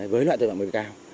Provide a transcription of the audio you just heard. với loại tội phạm mới cao